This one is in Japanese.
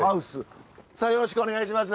さあよろしくお願いします。